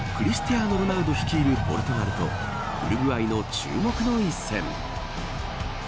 アーノ・ロナウド率いるポルトガルとウルグアイの注目の一戦。